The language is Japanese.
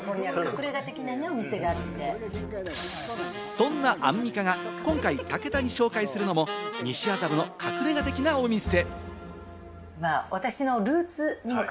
そんなアンミカが今回、武田に紹介するのも西麻布の隠れ家的なお店。